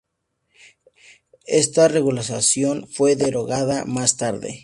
Esta regulación fue derogada más tarde.